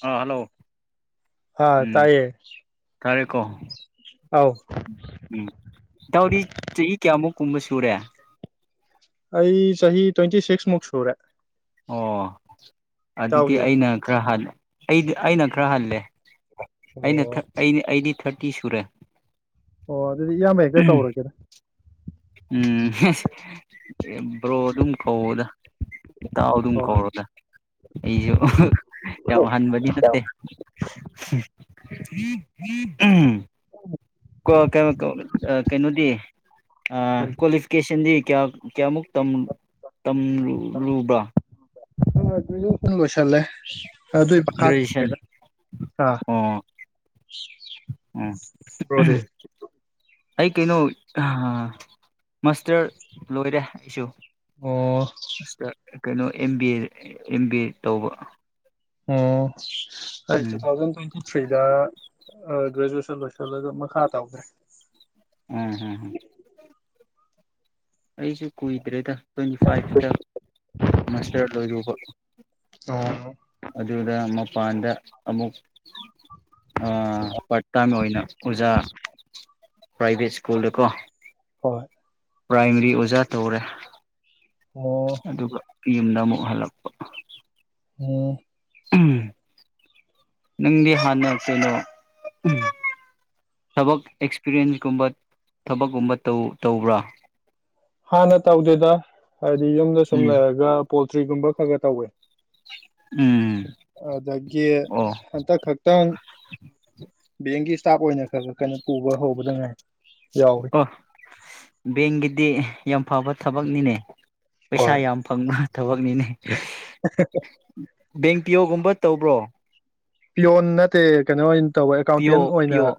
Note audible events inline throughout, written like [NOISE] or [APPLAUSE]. ꯑꯥ hello ꯍꯥꯥ ꯎꯝ ꯇꯥꯏꯌꯦ ꯇꯥꯔꯦꯀꯣ ꯑꯥꯎ ꯎꯝ ꯗꯎꯗꯤ ꯏꯍꯤ ꯀꯌꯥꯃꯨꯛ ꯀꯨꯝꯕ ꯁꯨꯔꯦ ꯑꯩ ꯁꯍꯤ ꯇ꯭ꯋꯦꯟꯇꯤ ꯁꯤꯛꯁ ꯃꯛꯁꯨ꯭ꯔꯦ ꯑꯣ ꯑꯗꯨꯗꯤ ꯑꯩꯅ ꯈꯔ ꯍꯜꯂ ꯑꯩꯗꯤ ꯑꯩꯅ ꯈꯔ ꯍꯜꯂꯦ ꯑꯩꯅ ꯑꯣ ꯑ ꯑꯩꯗꯤ ꯊꯥꯔꯇ ꯇ ꯁꯨꯔꯦ ꯑꯣ ꯑꯗꯨꯗꯤ ꯏꯌꯥꯝꯕ ꯍꯦꯛꯇ ꯀꯧꯔꯒꯦꯗ ꯎꯝ ꯕ꯭ꯔꯣ ꯑꯗꯨꯝ ꯀꯧꯗ ꯏꯇꯥꯎ ꯑꯗꯨꯝ ꯑꯣ ꯀꯧꯔꯗ ꯑꯩꯁꯨ ꯌꯥꯝ ꯍꯟꯕꯗꯤ ꯅꯠꯇꯦ ꯎꯝ ꯀꯤ ꯀꯩ ꯀꯩꯅꯣꯗꯤ ꯑ ꯀꯔꯤ ꯀ꯭ꯋꯥꯂꯤꯐꯤꯀꯦꯁꯟꯗꯤ ꯀꯌꯥ ꯀꯌꯥꯃꯨ ꯇꯝꯂꯂꯨꯕꯔ ꯂꯣꯏꯁꯣꯟ ꯂꯦ ꯑꯗꯨ ꯒ꯭ꯔꯦꯖꯨꯑꯦꯁꯟ ꯃꯈꯥꯔ ꯑꯥ ꯑꯣ ꯑꯣ ꯕꯔꯣꯗꯤ ꯑꯩ ꯀꯩꯅꯣ ꯃꯥꯁꯇꯔ ꯂꯣꯏꯔꯦ ꯑꯩꯁꯨ ꯑꯣ ꯑꯁ ꯀꯩꯅꯣ M B A M B A ꯇꯧꯕ ꯑꯣꯝ ꯑꯩ ꯇꯨ ꯎꯝ ꯊꯥꯎꯖꯟ ꯇ꯭ꯋꯦꯟꯇꯤ ꯊ꯭ꯔꯤꯗ ꯑ ꯭ꯔꯦꯖꯨꯑꯁꯟ ꯂꯣꯏꯁꯤꯜꯂꯒ ꯃꯈꯥ ꯇꯧꯈ꯭ꯔꯦ ꯎꯝ ꯍꯝ ꯑꯩꯁꯨ ꯀꯨꯏꯗ꯭ꯔꯦꯗ ꯇ꯭ꯋꯦꯟꯇꯤ ꯐꯥꯏꯚꯇ ꯃꯥꯁꯇꯔ ꯂꯣꯏꯔꯨꯕ ꯑꯣ ꯑꯗꯨꯗ ꯃꯄꯥꯟꯗ ꯑꯃꯨꯛ ꯄꯥꯔꯠ ꯇꯥꯏꯝ ꯑꯣꯏꯅ ꯑꯣꯖꯥ ꯄ꯭ꯔꯥꯏꯚꯦꯠ ꯁ꯭ꯀꯨꯜꯗꯀꯣ ꯍꯣꯏ ꯄ꯭ꯔꯥꯏꯃꯔꯤ ꯑꯣꯖꯥ ꯇꯧꯔꯦ ꯑꯣ ꯑꯗꯨꯒ ꯌꯨꯝꯗ ꯑꯃꯨꯛ ꯍꯜꯂꯛꯄ ꯑꯣ ꯎꯝ ꯅꯪꯗꯤ ꯍꯥꯟꯅ ꯀꯩꯅꯣ ꯊꯕꯛ ꯑꯦꯛꯁꯄꯤꯔꯤꯌꯦꯟꯁꯀꯨꯝꯕ ꯊꯕꯛꯀꯨꯝꯕ ꯇꯧ ꯇꯧꯕ꯭ꯔꯥ ꯍꯥꯥꯟꯅ ꯇꯧꯗꯦꯗ ꯍꯥꯏꯗꯤ ꯌꯨꯝꯗ ꯁꯨꯝ ꯎꯝ ꯂꯩꯔꯒ ꯄꯣꯜꯇ꯭ꯔꯤꯒꯨꯝꯕ ꯈꯔ ꯈꯔ ꯇꯧꯋꯦ ꯎꯝ ꯑꯗꯒꯤ ꯑꯣ ꯍꯟꯗꯛ ꯈꯛꯇꯪꯒꯤ ꯕꯦꯡꯀꯤ ꯏꯁꯇꯥꯞ ꯑꯣꯏꯅ ꯈꯔ ꯈꯔ ꯀꯩꯅꯣ ꯄꯨꯕ ꯍꯧꯕꯗ ꯉꯥꯏ ꯌꯥꯎꯋꯤ ꯑꯣ ꯕꯦꯡꯒꯤꯗꯤ ꯌꯥꯝ ꯐꯕ ꯊꯕꯛꯅꯤꯅꯦ ꯄꯩꯁꯥ ꯍꯣꯏ ꯌꯥꯝ ꯐꯪꯕ ꯊꯕꯛꯅꯤꯅꯦ ꯕꯦꯡ ꯄꯤꯌꯣ ꯒꯨꯝꯕ ꯇꯧꯕ꯭ꯔꯣ ꯄꯤꯌꯣꯞ ꯅꯠꯇꯦ ꯀꯩꯅꯣ ꯇꯧꯕ ꯑꯦꯀꯥꯎꯟꯇꯦꯟ ꯄꯤꯌꯣ ꯑꯣꯏꯅ ꯄꯤꯌꯣ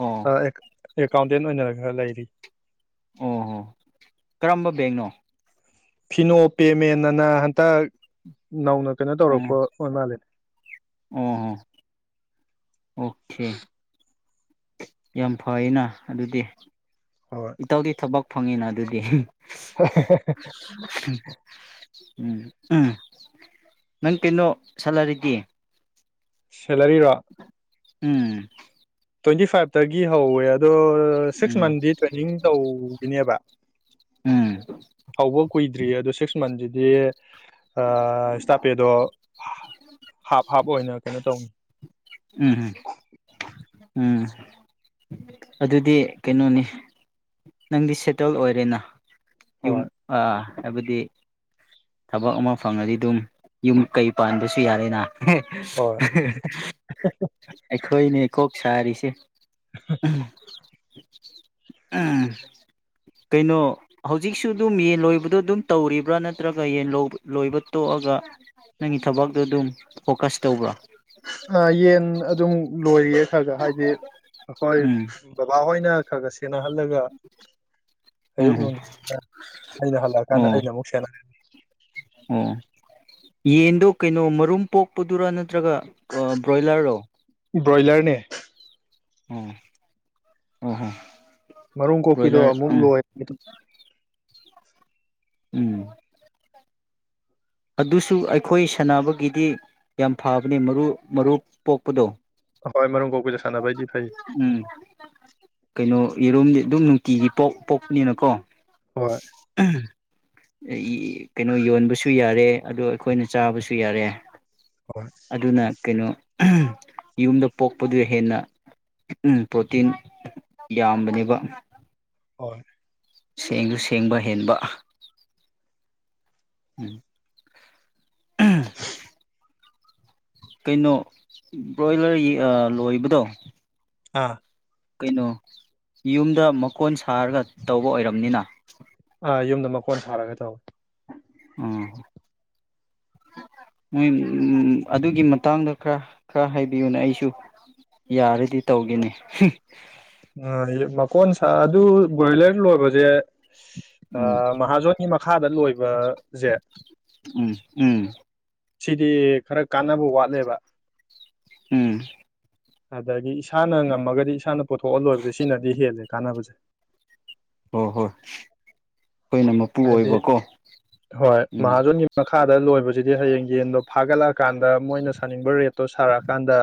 ꯑꯣ ꯑꯦꯀꯥꯎꯟꯇꯦꯟ ꯑꯣꯏꯅ ꯈꯔ ꯂꯩꯔꯤ ꯑꯣ ꯍꯣ ꯀꯔꯝꯕ ꯕꯦꯡꯅꯣ ꯐꯤꯅꯣ ꯄꯦꯃꯦꯟ ꯑꯅ ꯍꯟꯇꯛ ꯅꯧꯅ ꯀꯩꯅꯣ ꯑꯣ ꯇꯧꯔꯛꯄ ꯑꯣꯏ ꯃꯥꯜꯂꯦꯅꯦ ꯑꯣ ꯍꯣ ꯑꯣꯀꯦ ꯌꯥꯝ ꯐꯌꯦꯅ ꯑꯗꯨꯗꯤ ꯏꯇꯥꯎꯗꯤ ꯊꯕꯛ ꯐꯪꯉꯦꯅ ꯑꯗꯨꯗꯤ ꯍꯦ ꯍꯦ ꯍꯦ ꯎꯝ ꯎꯝ ꯅꯪ ꯀꯩꯅꯣ ꯁꯦꯜꯂꯔꯤꯗꯤ [UNINTELLIGIBLE] ꯁꯦꯂꯔꯤꯔꯣ ꯎꯝ ꯇ꯭ꯋꯦꯟꯇꯤꯥꯐꯥꯏꯚ ꯇ ꯒꯤ ꯍꯧꯋꯦ ꯑꯗꯣ ꯁꯤꯛꯁ ꯎꯝ ꯃꯟꯗꯤ ꯇ꯭ꯔꯦꯅꯤꯡ ꯇꯧꯒꯤꯅꯦꯕ ꯍ [UNINTELLIGIBLE] ꯋꯣꯛ ꯀꯨꯏꯗ꯭ꯔꯤꯌꯦ ꯑꯗꯣ ꯁꯤꯛꯁ ꯃꯟꯁꯤꯗꯤ ꯑ ꯏꯁꯇꯥꯄꯦꯗꯣ ꯍꯥꯞ ꯍꯥꯞ ꯑꯣꯏꯅ ꯀꯩꯅꯣ ꯇꯧꯅꯤ ꯎꯝ ꯎꯝ ꯑꯗꯨꯗꯤ ꯀꯩꯅꯣꯅꯤ ꯅꯪꯗꯤ ꯁꯦꯇꯜ ꯑꯣꯏꯔꯦꯅ ꯌꯨꯝ ꯍꯣꯏ ꯑ ꯍꯥꯏꯕꯗꯤ ꯊꯕꯛ ꯑꯃ ꯐꯪꯉꯗꯤ ꯑꯗꯨꯝ ꯌꯨꯝ ꯀꯩ ꯄꯥꯟꯕꯁꯨ ꯌꯥꯔꯦꯅ ꯍꯦ ꯍꯣꯏ ꯍꯦ ꯍ ꯑꯩꯈꯣꯏꯅꯦ ꯀꯣꯛ ꯁꯥꯔꯤꯁꯦ ꯎꯝ ꯀꯩꯅꯣ ꯍꯧꯖꯤꯛꯁꯨ ꯑꯗꯨꯝ ꯌꯦꯟ ꯂꯣꯏꯕꯗꯣ ꯑꯗꯨꯝ ꯇꯧꯔꯤꯕ꯭ꯔꯥ ꯅꯠꯇ꯭ꯔꯒ ꯌꯦꯟ ꯂꯣꯏꯕ ꯇꯣꯛꯑꯒ ꯅꯪꯒꯤ ꯊꯕꯛꯇꯣ ꯑꯗꯨꯝ ꯐꯣꯀꯁ ꯇꯧꯕ꯭ꯔꯣ ꯌꯦꯟ ꯑꯗꯨꯝ ꯂꯣꯏꯔꯤꯌꯦ ꯒ ꯍꯥꯏꯗꯤꯦ ꯑꯩꯈꯣꯏ ꯎꯝ ꯕꯕꯥ ꯣꯏꯅ ꯈꯁꯤ ꯁꯦꯟꯅꯍꯜꯂꯒ ꯎꯝ ꯑꯌꯨꯛ ꯎꯝ ꯅꯨꯡꯊ ꯑꯩꯅ ꯍꯜꯂꯛꯑꯀꯥꯟꯗ ꯑꯣ ꯑꯩꯅ ꯑꯃꯨꯛ ꯁꯦꯟꯅꯍꯜꯂꯤ ꯑꯣ ꯌꯦꯟꯗꯣ ꯀꯩꯅꯣ ꯃꯔꯨꯝ ꯄꯣꯛꯄꯗꯨꯔꯥ ꯅꯠꯇ꯭ꯔꯒ ꯕ꯭ꯔꯣꯏꯂꯔꯣ ꯕ꯭ꯔꯣꯏꯂꯔꯅꯦ ꯎꯝ ꯑ ꯍꯣ ꯃꯔꯨꯝ ꯀꯣꯛꯄꯤꯗꯣ ꯕ꯭ꯔꯣꯏꯂꯔ ꯑꯃꯨꯛ ꯎꯝ ꯂꯣꯏ ꯎꯝ ꯑꯗꯨꯁꯨ ꯑꯩꯈꯣꯏ ꯁꯥꯟꯅꯕꯒꯤꯗꯤ ꯌꯥꯝ ꯐꯕꯅꯦ ꯃꯔꯨ ꯃꯔꯨꯞ ꯄꯣꯛꯄꯗꯣ ꯍꯣꯏ ꯃꯔꯝ ꯀꯣꯗ ꯁꯥꯟꯅꯕ ꯍꯥꯏꯗꯤ ꯐꯩ ꯎꯝ ꯀꯩꯅꯣ ꯌꯦꯔꯨꯝꯗꯤ ꯑꯗꯨꯝ ꯅꯨꯡꯇꯤꯒꯤ ꯄꯣꯛ ꯄꯣꯛꯄꯅꯤꯅꯀꯣ ꯍꯣꯏ ꯎꯝ ꯀꯩꯅꯣ ꯌꯣꯟꯕꯁꯨ ꯌꯥꯔꯦ ꯑꯗ ꯑꯩꯈꯣꯏꯅ ꯆꯥꯕꯁꯨ ꯌꯥꯔꯦ ꯍꯣꯏ ꯑꯗꯨꯅ ꯀꯩꯅꯣ ꯌꯨꯝꯗ ꯄꯣꯛꯄꯗꯨ ꯍꯦꯟꯅ ꯄ꯭ꯔꯣꯇꯤꯟ ꯌꯥꯝꯕꯅꯦꯕ ꯍꯣꯏ ꯁꯦꯡꯁꯨ ꯁꯦꯡꯕ ꯍꯦꯟꯕ ꯎꯝ ꯀꯩꯅꯣ ꯕ꯭ꯔꯣꯏꯂꯔ ꯂꯣꯏꯕꯗꯣ ꯑꯥ ꯀꯩꯅꯣ ꯌꯨꯝꯗ ꯃꯀꯣꯟ ꯁꯥꯔꯒ ꯇꯧꯕ ꯑꯣꯏꯔꯝꯅꯤꯅ ꯑꯥ ꯌꯨꯝꯗ ꯃꯀꯣꯟ ꯁꯥꯔꯒ ꯇꯧꯋꯤ ꯑꯥ ꯃꯣꯏ ꯑꯗꯨꯒꯤ ꯃꯇꯥꯡꯗ ꯈꯔ ꯈꯔ ꯍꯥꯏꯕꯤꯌꯨꯅꯦ ꯑꯩꯁꯨ ꯌꯥꯔꯗꯤ ꯇꯧꯒꯦꯅꯤ ꯎ ꯃꯀꯣꯟ ꯁꯥ ꯑꯗꯨ ꯕꯣꯏꯂꯔ ꯂꯣꯏꯕꯁꯦ ꯑ ꯎꯝ ꯃꯍꯥꯖꯣꯟꯣꯟ ꯃꯈꯥꯗ ꯂꯣꯏꯕꯁꯦ ꯎꯝ ꯎꯝ ꯁꯤꯗꯤ ꯈꯔ ꯀꯥꯟꯅꯕ ꯋꯥꯠꯂꯦꯕ ꯎꯝ ꯑꯗꯨꯗꯒꯤ ꯏ ꯏꯁꯥꯅ ꯉꯝꯃꯒꯗꯤ ꯏꯁꯥꯅ ꯄꯨꯊꯣꯛꯍꯜꯂꯣꯏꯕꯁꯦ ꯁꯤꯅꯗꯤ ꯍꯦꯜꯂꯦ ꯀꯥꯟꯕꯨꯨꯖꯦ ꯍ ꯍꯣ ꯍꯥꯏꯗꯤ ꯍꯣꯏ ꯎꯝ ꯃꯍꯥꯖꯣꯟꯒꯤ ꯃꯈꯥ ꯗ ꯂꯣꯏꯕꯁꯤꯗꯤ ꯍꯌꯦꯡ ꯌꯦꯟꯗꯣ ꯐꯥꯒꯠꯂꯛꯑꯀꯥꯟꯗ ꯑ ꯃꯣꯏꯅ ꯁꯥꯅꯤꯡꯕ ꯔꯦꯠꯇꯣ ꯁꯥꯔꯛꯑꯀꯥꯟꯗ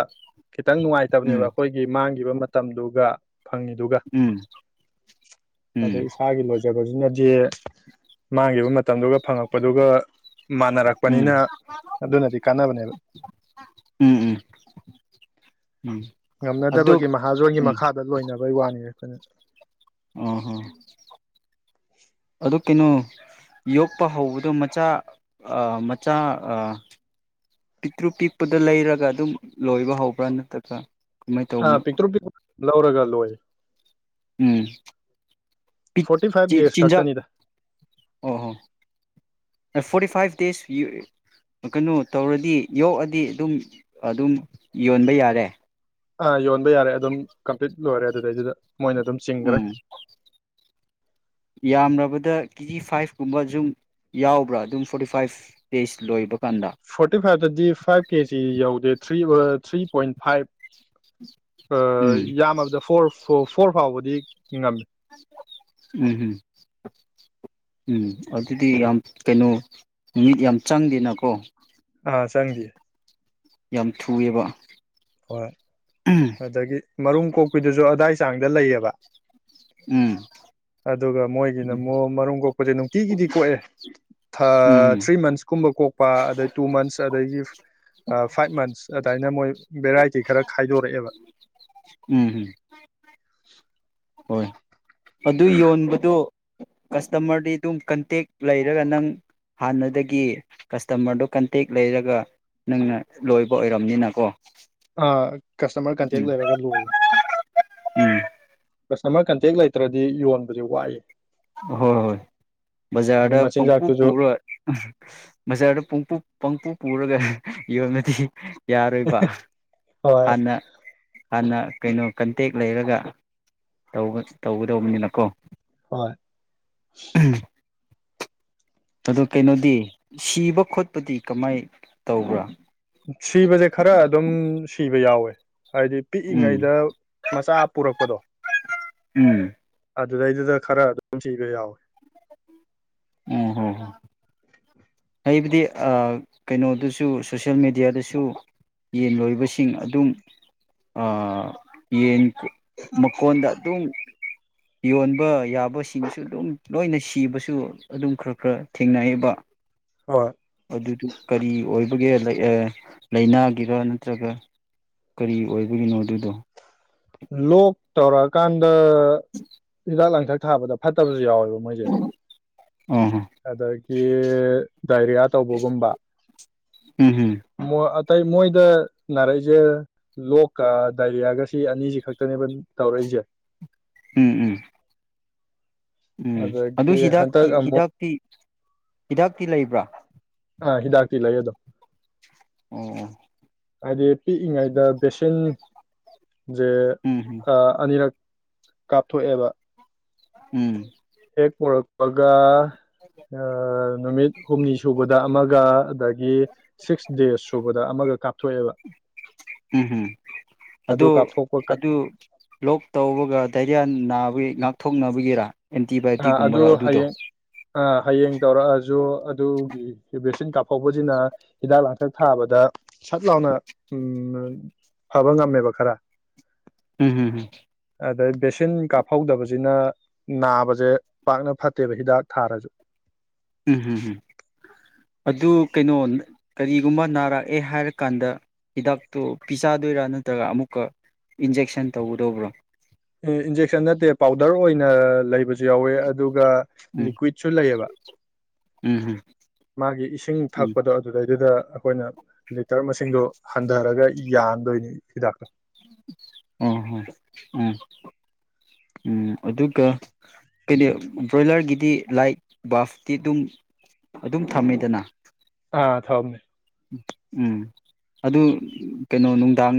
ꯈꯤꯇꯪ ꯅꯨꯡꯉꯥꯏꯇꯕꯅꯦꯕ ꯎꯝ ꯑꯩꯈꯣꯏꯒꯤ ꯃꯥꯡ ꯏꯕ ꯃꯇꯝꯗꯨꯒ ꯐꯪꯉꯤꯗꯨꯒ ꯎꯝ ꯎꯝ ꯑꯗꯣ ꯏꯁꯥꯒꯤ ꯂꯣꯏꯖꯕꯁꯤꯅ ꯌꯦꯦ ꯃꯥꯡꯈꯤꯕ ꯃꯇꯝꯗꯨꯒ ꯐꯪꯉꯛꯄꯗꯨꯒ ꯎꯝ ꯃꯥꯟꯅꯔꯛꯄꯅꯤꯅ ꯑꯗꯨꯅꯗꯤ ꯀꯥꯟꯅꯕꯅꯦꯕ ꯎꯝ ꯎꯝ ꯎꯝ ꯑꯗꯨ ꯉꯝꯅꯗꯕꯒꯤ ꯃꯍꯥꯖꯣꯟꯒꯤ ꯎꯝ ꯃꯈꯥꯗ ꯂꯣꯏꯅꯕꯩ ꯋꯥꯅꯤ ꯑꯩꯈꯣꯏꯅ ꯑꯣ ꯍ ꯑꯗꯨ ꯀꯩꯅꯣ ꯌꯣꯛꯄ ꯍꯧꯕꯗꯣ ꯃꯆꯥ ꯃꯆꯥ ꯄꯤꯛꯇ꯭ꯔꯨ ꯄꯤꯛꯄꯗ ꯂꯩꯔꯒ ꯑꯗꯨꯝ ꯂꯣꯏꯕ ꯍꯧꯕ꯭ꯔꯥ ꯅꯠꯇ꯭ꯔꯒ ꯀꯃꯥꯏꯅ ꯑ ꯇꯧꯕꯅꯣ ꯄꯤꯛ꯭ꯔꯨ ꯄꯤ ꯂꯧꯔꯒ ꯂꯣꯏ ꯎꯝ ꯐꯣꯔꯇꯤ ꯐꯥꯏꯚ ꯆ ꯗꯦꯖ ꯆꯤꯟꯖꯥꯛ ꯈꯛꯇꯅꯤꯗ ꯑꯣ ꯍꯣ ꯐꯣꯔꯇꯤ ꯐꯥꯏꯚ ꯗꯦꯖ ꯀꯩꯅꯣ ꯇꯧꯔꯗꯤ ꯌꯣꯛꯑꯗꯤ ꯑꯗꯨꯝ ꯑꯗꯨꯝ ꯌꯣꯟꯕ ꯌꯥꯔꯦ ꯑ ꯌꯣꯟꯣꯟ ꯌꯥꯔꯦ ꯑꯗꯨꯝ ꯀꯝꯄ꯭ꯂꯤꯠ ꯂꯣꯏꯔꯦ ꯑꯗꯨꯗꯩꯗꯨꯗ ꯃꯣꯏꯅ ꯑꯗꯨꯝ ꯆꯤꯡꯈ꯭ꯔꯦ ꯌꯥꯝꯕꯗ ꯀꯦꯖꯤ ꯐꯥꯏꯚ ꯀꯨꯝꯕ ꯁꯨꯝ ꯌꯥꯎꯕ꯭ꯔꯥ ꯑꯗꯨꯝ ꯐꯣꯔꯇꯤ ꯐꯥꯏꯚ ꯗꯦꯖ ꯂꯣꯏꯕ ꯀꯥꯟꯗ ꯐꯣꯔꯇꯤ ꯐꯥꯏꯚꯇꯗꯤ ꯐꯥꯏꯚ ꯀꯦꯖꯤ ꯌꯧꯗꯦ ꯊ꯭ꯔꯤ ꯊ꯭ꯔꯤ ꯄꯣꯏꯟ ꯐꯥꯏꯚ ꯎꯝ ꯌꯥꯝꯃꯕꯗ ꯐꯣꯔꯐ ꯐꯣꯔ ꯐꯥꯎꯕꯗꯤ ꯉꯝꯃꯦ ꯎꯝ ꯎꯝ ꯎꯝ ꯑꯗꯨꯗꯤ ꯌꯥꯝ ꯀꯩꯅꯣ ꯃꯤꯠ ꯌꯥꯝ ꯆꯪꯗꯦꯅꯀꯣ ꯑ ꯆꯪꯒ ꯌꯥꯝ ꯊꯨꯑꯕ ꯍꯣꯏ ꯑꯗꯨꯗꯒꯤ ꯃꯔꯨꯝ ꯀꯣꯛꯄꯤꯗꯨꯁꯨ ꯑꯗꯥꯏ ꯆꯥꯡꯗ ꯂꯩꯌꯦꯕ ꯎꯝ ꯑꯗꯨꯒ ꯃꯣꯏꯒꯤꯅ ꯃ ꯃꯔꯨꯝ ꯀꯣꯛꯄꯁꯦ ꯅꯨꯡꯇꯤꯒꯤꯗꯤ ꯀꯣꯛꯑꯦ ꯎꯝ ꯊ꯭ꯔꯤ ꯃꯟꯁꯀꯨꯝꯕ ꯀꯣꯛꯄ ꯑꯗꯩ ꯇꯨ ꯃꯟꯁ ꯑꯗꯒꯤ ꯐꯥꯏꯚ ꯃꯟꯁ ꯑꯗꯨꯃꯥꯏꯅ ꯃꯣꯏ ꯚꯦꯔꯥꯏꯇꯤ ꯈꯔ ꯈꯥꯏꯗꯣꯔꯛꯑꯦꯕ ꯎꯝ ꯎꯝ [UNINTELLIGIBLE] ꯍꯣꯏ ꯑꯗꯨ ꯌꯣꯟꯕꯗꯨ ꯀꯁꯇꯃꯔꯗꯤ ꯑꯗꯨꯝ ꯀꯟꯇꯦꯛ ꯂꯩꯔꯒ ꯅꯪ ꯍꯥꯟꯅꯗꯒꯤ ꯀꯁꯇꯃꯔꯗꯨꯣ ꯀꯟꯇꯦꯛ ꯂꯩꯔꯒ ꯅꯪꯅ ꯂꯣꯏꯕ ꯑꯣꯏꯔꯝꯅꯤꯅꯀꯣ ꯑꯥ ꯀꯁꯇꯃꯔ ꯀꯟꯇꯦꯛ ꯎꯝ ꯂꯩꯔꯒ ꯂꯣꯏ ꯎꯝ ꯀꯁꯇꯃꯔ ꯀꯟꯇꯦꯛ ꯂꯩꯇ꯭ꯔꯗꯤ ꯌꯣꯟꯕꯁ ꯋꯥꯏ ꯍꯣꯏ ꯍꯣꯏ ꯕꯖꯥꯔꯗ ꯄꯣꯡꯄ ꯃꯆꯤꯟꯖꯥꯛꯇꯨꯁꯨ ꯄꯨꯔꯣꯏ ꯕꯖꯥꯔꯗ ꯄꯄ ꯄꯪꯄꯨ ꯄꯨꯔꯒ ꯌꯣꯟꯂꯗꯤ ꯌꯥꯔꯣꯏꯕ ꯍꯣꯏ ꯍꯥꯟꯅ ꯍꯥꯟꯅ ꯀꯩꯅꯣ ꯀꯟꯇꯦꯛ ꯂꯩꯔꯒ ꯇ ꯇꯧꯒꯗꯧꯕꯅꯤꯅꯀꯣ ꯍꯣꯏ ꯎꯝ ꯑꯗ ꯀꯩꯅꯣꯗꯤ ꯁꯤꯕ ꯈꯣꯠꯄꯗꯤ ꯀꯃꯥꯏꯅ ꯇꯧꯕ꯭ꯔꯥ ꯁꯤꯕꯁꯦ ꯈꯔ ꯑꯗꯨꯝ ꯁꯤꯕ ꯌꯥꯎꯋꯦ ꯍꯥꯏꯗꯤ ꯎꯝ ꯄꯤꯛꯏꯉꯩꯗ ꯃꯆꯥ ꯄꯨꯔꯛꯄꯗꯣ ꯎꯝ ꯑꯗꯨ ꯑꯗꯨꯗꯩꯗꯨꯗ ꯈꯔ ꯑꯗꯨꯝ ꯁꯤꯕ ꯌꯥꯎꯋꯤ ꯎꯝ ꯍ ꯑꯩꯕꯨꯗꯤ ꯀꯩꯅꯣꯗꯁꯨ ꯁꯣꯁꯤꯌꯦꯜ ꯃꯦꯗꯤꯌꯥꯗꯁꯨ ꯌꯦꯟ ꯂꯣꯏꯕꯁꯤꯡ ꯑꯗꯨꯝ ꯌꯦꯟ ꯃꯀꯣꯟꯗ ꯑꯗꯨꯝ ꯌꯣꯟꯕ ꯌꯥꯕꯁꯤꯡꯁꯨ ꯑꯗꯨꯝ ꯂꯣꯏꯅ ꯁꯤꯕꯁꯨ ꯑꯗꯨꯝ ꯈꯔ ꯈꯔ ꯊꯦꯡꯅꯌꯦꯕ ꯍꯣꯏ ꯑꯗꯨꯗꯨ ꯀꯔꯤ ꯑꯣꯏꯕꯒꯦ ꯂ ꯂꯥꯏꯅꯥꯒꯤꯔ ꯅꯠꯇ꯭ꯔꯒ ꯀꯔꯤ ꯑꯣꯏꯕꯒꯤꯅꯣ ꯑꯗꯨꯗꯣ ꯂꯣꯛ ꯇꯧꯔ ꯀꯥꯟ ꯗꯥ ꯂꯥꯡꯊꯔꯒꯦ ꯊꯥꯕꯗ ꯐꯠꯇꯕꯁꯨ ꯌꯥꯎꯋꯤ ꯣꯏꯁꯦ ꯑꯥ ꯍ ꯑꯗꯒꯤ ꯗꯥꯏꯔꯤꯌꯥ ꯇꯧꯕꯒꯨꯝꯕ ꯎꯝ ꯇ ꯃꯣꯏꯗ ꯅꯥꯔꯛꯏꯁꯦ ꯂꯣꯛꯀ ꯗꯥꯏꯔꯤꯌꯥꯒꯁꯤ ꯑꯅꯤꯁꯤ ꯈꯛꯇꯅꯦꯕ ꯇꯧꯔꯛꯏꯁꯦ ꯎꯝ ꯎꯝ ꯎꯝ ꯑꯗꯨ ꯑꯗꯒꯤ ꯍꯤꯗꯥꯛꯇꯤ ꯍꯟꯗꯛ ꯑꯃꯨꯛ ꯍꯤꯗꯥꯛꯇꯤ ꯍꯤꯗꯥꯛꯇꯤ ꯂꯩꯕ꯭ꯔꯥ ꯍꯤꯗꯥꯛꯇꯤ ꯂꯩ ꯑꯗꯨꯝ ꯎꯝ ꯍꯥꯏꯗꯤ ꯄꯤꯛꯏꯉꯩꯗ ꯕꯦꯁꯤꯦꯟꯖꯦ ꯎꯝ ꯎꯝ ꯑꯅꯤꯔꯛ ꯀꯥꯞꯊꯣꯛꯑꯦꯕ ꯎꯝ ꯑꯦ [UNINTELLIGIBLE] [UNINTELLIGIBLE] ꯅꯨꯃꯤꯠ ꯍꯨꯝꯅꯤ ꯁꯨꯕꯗ ꯑꯃꯒ ꯑꯗꯒꯤ ꯁꯤꯛꯁ ꯗꯦꯖ ꯁꯨꯕꯗ ꯑꯃꯒ ꯀꯥꯞꯊꯣꯛꯑꯦꯕ ꯎꯝ ꯎꯝ ꯑꯗꯨ ꯀꯥꯞꯊꯣꯛꯄ ꯂꯣꯛ ꯊꯣꯛꯅꯕꯒꯤꯔꯥ ꯑ ꯑꯗꯨ ꯍꯌꯦꯡ ꯑ ꯍꯌꯦꯡ ꯇꯧꯔꯛꯑꯁꯨ ꯑꯗꯨꯒꯤ ꯚꯦꯛꯁꯤꯟ ꯀꯥꯞꯍꯧꯕꯁꯤꯅ ꯍꯤꯗꯥꯛ ꯂꯥꯡꯊꯛ ꯊꯥꯕꯗ ꯁꯠ ꯂꯥꯎꯅ ꯐꯕ ꯑꯥ ꯉꯝꯃꯦꯕ ꯈꯔ ꯎꯝ ꯍꯝ ꯑꯗꯩ ꯕꯦꯁꯤꯟ ꯀꯥꯞꯍꯧꯗꯕꯁꯤꯅ ꯅꯥꯕ ꯁꯦ ꯄꯥꯛꯅ ꯐꯠꯇꯦꯕ ꯍꯤꯗꯥꯛ ꯊꯥꯔꯁꯨ ꯎꯝ ꯍꯨꯝ ꯍꯨꯝ ꯑꯗꯨ ꯀꯩꯅꯣ ꯀꯔꯤꯒꯨꯝꯕ ꯅꯥꯔꯛꯑꯦ ꯍꯥꯏꯔꯀꯥꯟꯗ ꯍꯤꯗꯥꯛꯇꯣ ꯄꯤꯖꯥꯗꯣꯏꯔꯥ ꯅꯠꯇ꯭ꯔꯒ ꯑꯃꯨꯛꯀ ꯏꯟꯖꯦꯛꯁꯟ ꯇꯧꯒꯗꯧꯕ꯭ꯔꯣ ꯑ ꯏꯟꯖꯦꯛ ꯁꯟ ꯅꯠꯇꯦ ꯄꯥꯎꯗꯔ ꯑꯣꯏꯅ ꯂꯩꯕꯁꯨ ꯌꯥꯎꯋꯦ ꯑꯗꯨꯒ ꯎꯝ ꯂꯤꯀ꯭ꯋꯤꯠꯁꯨ ꯂꯩꯌꯦꯕ ꯎꯝ ꯃꯥꯒꯤ ꯏꯁꯤꯡ ꯎꯝ ꯊꯛꯄꯗꯣ ꯑꯗꯨꯗꯩꯗꯨꯗ ꯑꯩꯈꯣꯏꯅ ꯂꯤꯇꯔ ꯃꯁꯤꯡꯗꯣ ꯍꯟꯊꯔꯒ ꯌꯥꯟꯗꯣꯏꯅꯤ ꯍꯤꯗꯥꯛꯇꯣ ꯑꯣ ꯍꯣ ꯎꯝ ꯎꯝ ꯑꯗꯨꯒ ꯀ ꯕ꯭ꯔꯣꯏꯂꯔꯒꯤꯗꯤ ꯂꯥꯏꯠ ꯕꯥꯐꯇꯤ ꯑꯗꯨꯝ ꯑꯗꯨꯝ ꯊꯝꯃꯤꯗꯅ ꯑ ꯊꯝꯃꯦ ꯎꯝ ꯑꯗꯨ ꯀꯩꯅꯣ ꯅꯨꯡꯗꯥꯡ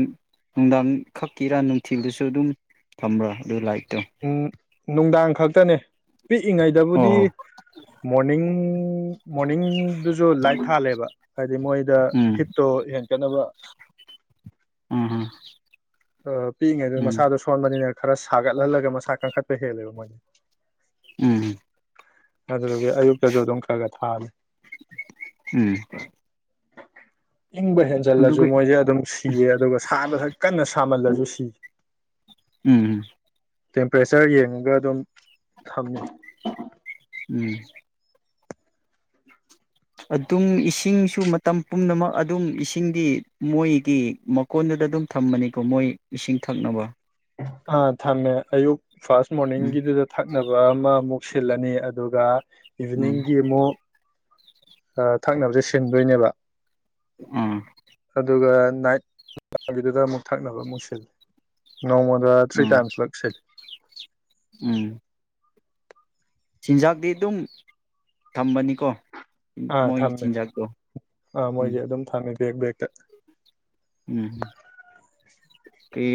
ꯅꯨꯡꯗꯥꯡ ꯈꯛꯀꯤꯔꯥ ꯅꯨꯡꯊꯤꯜꯗꯁꯨ ꯑꯗꯨꯝ ꯊꯝꯕ꯭ꯔꯥ ꯑꯗꯨ ꯂꯥꯏꯛ ꯑꯝ ꯅꯨꯡꯗꯥꯡ ꯈꯛꯇꯅꯦ ꯄꯤꯛꯏꯉꯩꯗꯕꯨꯗꯤ ꯑꯣ ꯃꯣꯔꯅꯤꯡ ꯎꯝ ꯃꯣꯔꯅꯤꯡꯗꯨꯁꯨ ꯂꯥꯏꯠ ꯊꯥꯜꯂꯦꯕ ꯍꯥꯏꯗꯤ ꯃꯣꯏꯗ ꯎꯝ ꯍꯤꯠꯇꯣ ꯀꯠꯅꯕ ꯑꯝ ꯍꯝ ꯑ ꯄꯤꯛ ꯏꯉꯩꯗ ꯃꯁꯥꯗꯣ ꯁꯣꯟꯕꯅꯤꯅ ꯈꯔ ꯁꯥꯒꯠꯍꯜꯂꯒ ꯃꯁꯥ ꯀꯟꯈꯠꯄ ꯍꯦꯜꯂꯦꯕ ꯃꯣꯏ ꯎꯝ ꯑꯗꯨꯗꯨꯒꯤ ꯑꯌꯨꯛꯇꯁꯨ ꯑꯗꯨꯝ ꯈꯔ ꯈꯔ ꯊꯥꯜꯂꯤ ꯎꯝ ꯏꯪꯕ ꯍꯦꯟꯖꯜꯂꯁꯨ ꯑꯗꯨꯒ ꯃꯣꯏꯁꯦ ꯑꯗꯨꯝ ꯁꯤꯌꯦ ꯑꯗꯨꯒ ꯁꯥꯗ ꯀꯟꯅ ꯁꯥꯃꯜ ꯂꯁꯨ ꯁꯤ ꯎꯝ ꯇꯦꯝꯄꯔꯦꯆꯔ ꯌꯦꯡꯉꯒ ꯑꯗꯨꯝ ꯊꯝꯃꯤ ꯎꯝ ꯑꯗꯨꯝ ꯏꯁꯤꯡꯁꯨ ꯃꯇꯝ ꯄꯨꯝꯅꯃꯛ ꯑꯗꯨꯝ ꯏꯁꯤꯡꯗꯤ ꯃꯣꯏꯒꯤ ꯃꯀꯣꯟꯗꯨꯗ ꯑꯗꯨꯝ ꯊꯝꯃꯅꯤꯀꯣ ꯃꯣꯏ ꯏꯁꯤꯡ ꯊꯛꯅꯕ ꯑꯥ ꯊꯝꯃꯦ ꯑꯌꯨꯛ ꯐꯥꯔꯁ ꯎꯝ ꯃꯣꯔꯅꯤꯡꯒꯤꯗꯨꯗ ꯊꯛꯅꯕ ꯑꯃ ꯑꯃꯨꯛ ꯁꯤꯜꯂꯅꯤ ꯑꯗꯨꯒ ꯎꯝ ꯏꯚꯅꯤꯡꯒꯤ ꯑꯃꯨꯛ ꯊꯛꯅꯕꯁꯦ ꯁꯤꯟꯗꯣꯏꯅꯦꯕ ꯑꯥ ꯑꯗꯨꯒ ꯅꯥꯏꯠꯒꯤꯗꯨꯗ ꯑꯃꯨꯛ ꯊꯛꯅꯕ ꯑꯃꯨꯛ ꯁꯤꯜꯂꯤ ꯅꯣꯡꯃꯗ ꯊ꯭ꯔꯤ ꯎꯝ ꯇꯥꯏꯝꯁꯂꯛ ꯁꯤꯜꯂꯤ ꯎꯝ ꯆꯤꯟꯖꯥꯛꯇꯤ ꯑꯗꯨꯝ ꯊꯝꯕꯅꯤꯀꯣ ꯑꯥ ꯃꯣꯏ ꯊꯝꯃꯦ ꯆꯤꯟꯖꯥꯛꯇꯣ ꯑꯥ ꯎꯝ ꯃꯣꯏꯁꯦ ꯑꯗꯨꯝ ꯊꯝꯃꯦ ꯦꯛꯇ ꯀ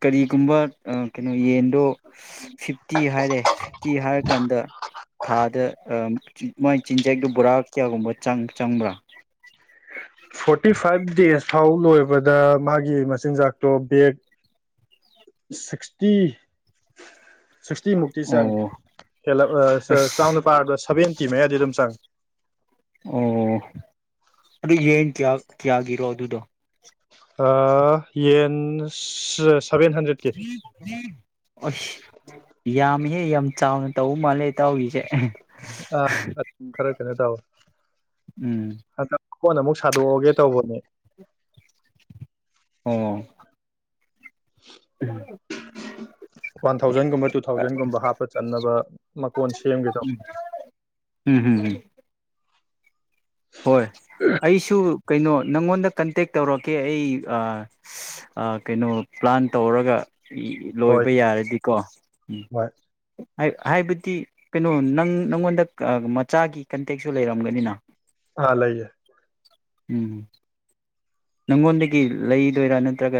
ꯀꯔꯤꯒꯨꯝꯕ ꯀꯩꯅꯣ ꯌꯦꯟ ꯑꯗꯣ ꯐꯤꯐꯇꯤ ꯍꯥꯏꯔꯦ ꯐꯤꯐꯇꯤ ꯍꯥꯏꯔꯀꯥꯟꯗ ꯊꯥꯗ ꯃꯥꯏ ꯆꯤꯟꯖꯥꯛꯗꯨꯣ ꯕꯣꯔꯥ ꯀꯌꯥꯒꯨꯝꯕ ꯆꯪꯕ꯭ꯔꯥ ꯐꯣꯔꯇꯤ ꯐꯥꯏꯚ ꯗꯦꯖ ꯐꯥꯎ ꯂꯣꯏꯕꯗ ꯃꯥꯒꯤ ꯃꯆꯤꯟꯖꯥꯛꯇꯣ ꯕꯦꯒ ꯁꯤꯛꯁꯇꯤ ꯁꯤꯛꯁꯇꯤ ꯃꯨꯛꯇꯤ ꯑꯣ ꯆꯪꯉ ꯍꯂ ꯑꯁ ꯆꯥꯎꯅ ꯄꯥꯔꯕ ꯁꯚꯦꯟ ꯃ ꯌꯥꯗꯤ ꯑꯗꯨꯝ ꯆꯥꯡ ꯑꯣ ꯑꯗꯨ ꯌꯦꯟ ꯀꯌꯥ ꯀꯌꯥꯒꯤꯔꯣ ꯑꯗꯨꯗꯣ ꯑ ꯌꯦꯟ ꯁꯚꯦꯟ ꯍꯟꯗ꯭ꯔꯦꯠꯀꯤ ꯌꯥꯃꯤ ꯑꯦꯍꯦ ꯌꯥꯝ ꯆꯥꯎꯅ ꯇꯧ ꯃꯥꯜꯂꯦ ꯇꯧꯔꯤꯁꯦ ꯑ ꯈꯔ ꯀꯩꯅ ꯇꯕ ꯎꯝ ꯍꯗ ꯀꯣꯟ ꯑꯃꯨꯛ ꯁꯥꯗꯣꯛꯑꯒꯦ ꯇꯧꯕꯅꯦ ꯑꯣ ꯋꯥꯟ ꯊꯥꯎꯖꯟꯒꯨꯝꯕ ꯇꯨ ꯊꯥꯎꯖꯟꯒꯨꯝꯕ ꯍꯥꯞꯄ ꯆꯟꯅꯕ ꯃꯀꯣꯟ ꯁꯦꯝꯒꯦ ꯎꯝ ꯇꯧꯕꯅꯤ ꯎꯝ ꯎꯝ ꯍꯣꯏ ꯑꯩꯁꯨ ꯀꯩꯅꯣ ꯅꯪꯉꯣꯟꯗ ꯀꯟꯇꯦꯛ ꯇꯧꯔꯛꯀꯦ ꯑꯩ ꯀꯩꯅꯣ ꯄ꯭ꯂꯥꯟ ꯇꯧꯔꯒ ꯍꯣꯏ ꯂꯣꯏꯕ ꯌꯥꯔꯗꯤꯀꯣ ꯎꯝ ꯍꯣꯏ ꯍꯥꯏꯕꯗꯤ ꯀꯩꯅꯣ ꯅꯪ ꯅꯪꯉꯣꯟꯗ ꯃꯆꯥꯒꯤ ꯀꯟꯇꯦꯛꯁꯨ ꯂꯩꯔꯝꯒꯅꯤꯅ ꯍꯥꯥ ꯂꯩꯥꯏꯌꯦꯦ ꯎꯝ ꯅꯪꯉꯣꯟꯗꯒꯤ ꯂꯩꯗꯣꯏꯔꯥ ꯅꯠꯇ꯭ꯔꯒ